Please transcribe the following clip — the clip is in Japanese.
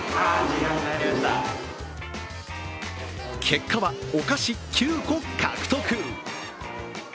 結果は、お菓子９個獲得。